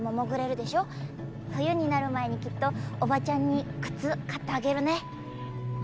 冬になる前にきっとおばちゃんに靴買ってあげるね。